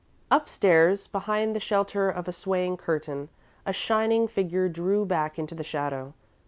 Upstairs, behind the shelter of the swaying curtain, a shining figure drew back into the shadow.